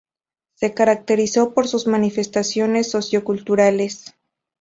Se caracterizó por sus manifestaciones socioculturales.